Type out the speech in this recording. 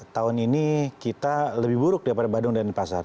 tahun ini kita lebih buruk daripada bandung dan denpasar